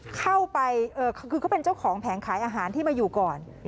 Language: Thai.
เข้าไปคือเขาเป็นเจ้าของแผงขายอาหารที่มาอยู่ก่อน